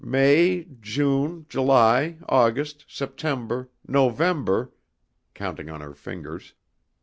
May, June, July, August, September, November," counting on her fingers.